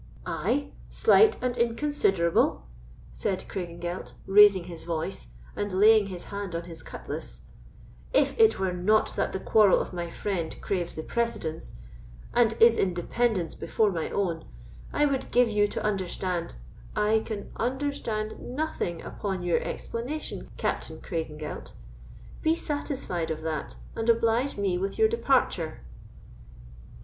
"I slight and inconsiderable?" said Craigengelt, raising his voice, and laying his hand on his cutlass; "if it were not that the quarrel of my friend craves the precedence, and is in dependence before my own, I would give you to understand——" "I can understand nothing upon your explanation, Captain Craigengelt. Be satisfied of that, and oblige me with your departure."